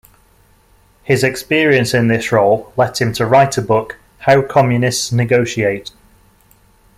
His experience in this role let him to write a book, "How Communists Negotiate".